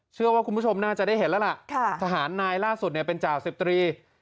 เชื่อว่าคุณผู้ชมน่าจะได้เห็นแล้วล่ะทหารนายล่าสุดเนี่ยเป็นจ่าสิบตรี